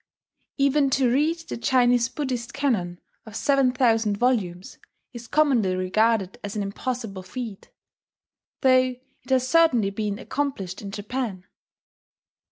Even to read the Chinese Buddhist canon of 7000 volumes is commonly regarded as an impossible feat, though it has certainly been accomplished in Japan.